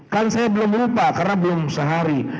kan saya belum lupa karena belum sehari